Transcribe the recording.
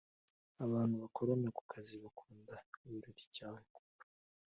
Abantu bakorana kukazi bakunda ibirori cyane